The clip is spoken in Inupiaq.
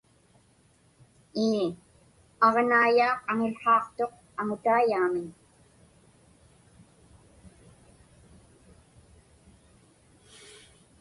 Ii, aġnaiyaaq aŋiłhaaqtuq aŋutaiyaamiñ.